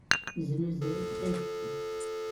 Neznuzay ayefki.